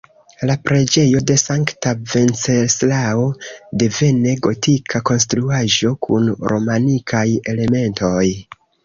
La preĝejo de sankta Venceslao, devene gotika konstruaĵo kun romanikaj elementoj.